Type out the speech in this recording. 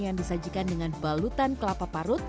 yang disajikan dengan balutan kelapa parut